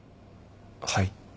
はい？